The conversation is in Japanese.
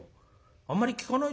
あんまり聞かないでしょ